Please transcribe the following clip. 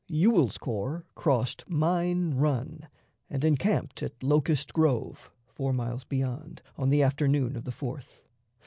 Ewell's corps crossed Mine Run, and encamped at Locust Grove, four miles beyond, on the afternoon of the 4th.